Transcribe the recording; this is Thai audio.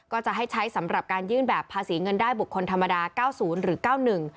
ก็จะให้ใช้สำหรับการยื่นแบบภาษีเงินได้บุคคลธรรมดา๙๐หรือ๙๑